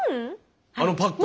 あのパック？